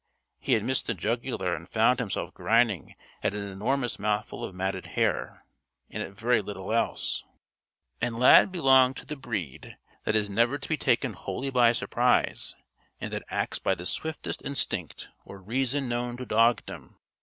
He had missed the jugular and found himself grinding at an enormous mouthful of matted hair and at very little else; and Lad belonged to the breed that is never to be taken wholly by surprise and that acts by the swiftest instinct or reason known to dogdom.